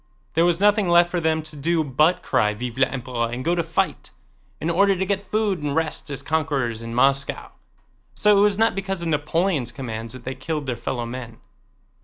There was nothing left for them to do but cry "Vive l'Empereur!" and go to fight, in order to get food and rest as conquerors in Moscow. So it was not because of Napoleon's commands that they killed their fellow men.